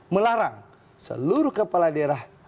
melarang seluruh kepala daerah